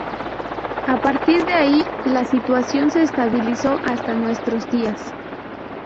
A partir de ahí, la situación se estabilizó hasta nuestros días.